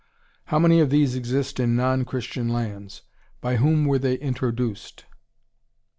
How many of these exist in non Christian lands? By whom were they introduced?